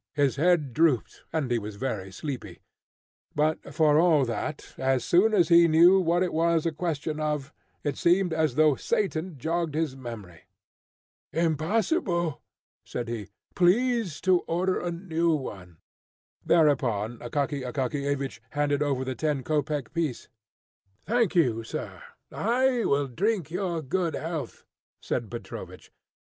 His head drooped, and he was very sleepy; but for all that, as soon as he knew what it was a question of, it seemed as though Satan jogged his memory. "Impossible," said he. "Please to order a new one." Thereupon Akaky Akakiyevich handed over the ten kopek piece. "Thank you, sir. I will drink your good health," said Petrovich.